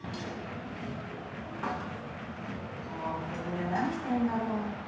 もうくるみは何してんだろう？